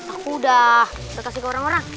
aku udah kasih ke orang orang